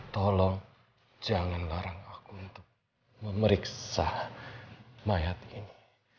tolong jangan larang aku untuk memeriksa mayat ini